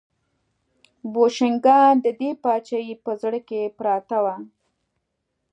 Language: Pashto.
بوشنګان د دې پاچاهۍ په زړه کې پراته وو.